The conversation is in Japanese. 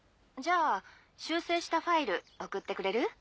じゃあ修正したファイル送ってくれる？